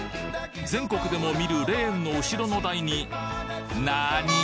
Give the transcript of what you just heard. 全国でも見るレーンの後ろの台になにぃ？